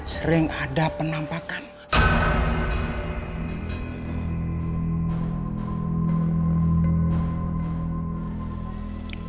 sering dipakai nginep di perkampungan disini